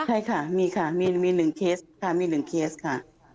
ใช่ค่ะมีค่ะมีหนึ่งเคสค่ะมีหนึ่งเคสค่ะ